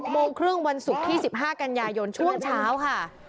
โมงครึ่งวันศุกร์ที่๑๕กันยายนช่วงเช้าค่ะ